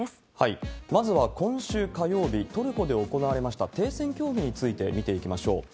まずは今週火曜日、トルコで行われました停戦協議について見ていきましょう。